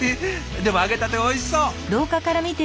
でも揚げたてはおいしそう！